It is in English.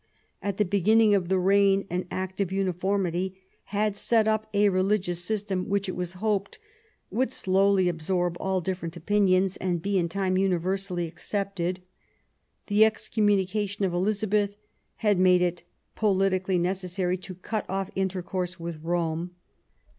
At the beginning of the reign an Act of Uniformity had set up a religious system which, it was hoped, would slowly absorb all different THE ALENgON MARRIAGE. 199 opinions, and be in time universally accepted. The excommunication of Elizabeth had made it politi cally necessary to cut off intercourse with Rome.